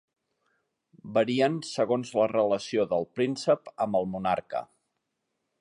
Varien segons la relació del príncep amb el monarca.